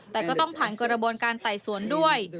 แต่ก็ต้องผ่านกระบวนการไต่สวนด้วย